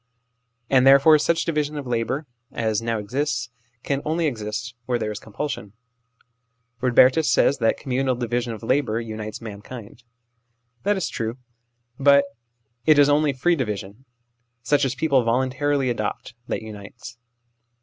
And therefore such division of labour as now exists, can only exist where there is compulsion. Eodbertus l says that communal division of labour unites mankind. That is true ; but it is only free division such as people voluntarily adopt that unites.